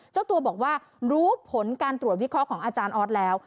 เจ้าตัวบอกว่ารู้ผลการตรวจวิเคราะห์ของอาจารย์ออสแล้ว